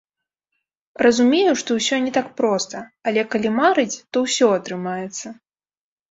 Разумею, што ўсё не так проста, але, калі марыць, то ўсё атрымаецца.